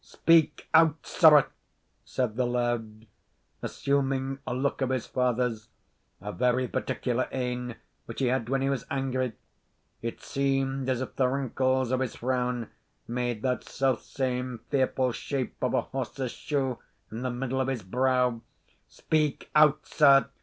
"Speak out, sirrah," said the laird, assuming a look of his father's, a very particular ane, which he had when he was angry it seemed as if the wrinkles of his frown made that selfsame fearful shape of a horse's shoe in the middle of his brow; "speak out, sir!